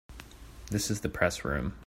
This is the Press Room.